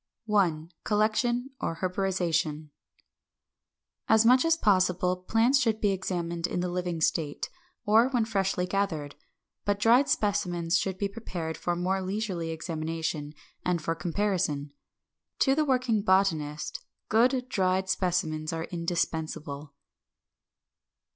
§ 1. COLLECTION, OR HERBORIZATION. 556. As much as possible, plants should be examined in the living state, or when freshly gathered. But dried specimens should be prepared for more leisurely examination and for comparison. To the working botanist good dried specimens are indispensable.